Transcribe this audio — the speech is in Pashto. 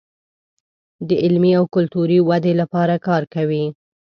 د علمي او کلتوري ودې لپاره کار کوي.